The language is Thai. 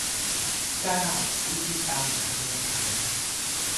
เก้า วิธีตามหาแมวหาย